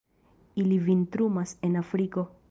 Ili vintrumas en Afriko.